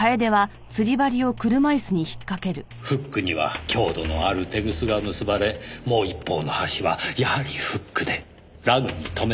フックには強度のあるテグスが結ばれもう一方の端はやはりフックでラグに留めてあった。